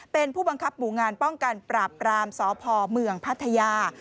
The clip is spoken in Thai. เป็นผู้บังคับหมู่งานป้องกันปราบรามสพเมืองพัทยา